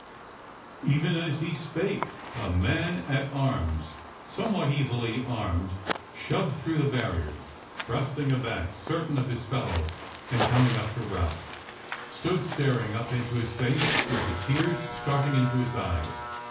Even as he spake, a man at arms somewhat evilly armed shoved through the barriers, thrusting aback certain of his fellows, and, coming up to Ralph, stood staring up into his face with the tears starting into his eyes.